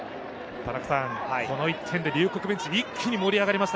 この１点で龍谷ベンチ、一気に盛り上がりました。